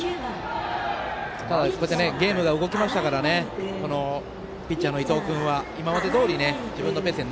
ただ、ゲームが動きましたからピッチャーの伊藤君は今までどおり自分のペースで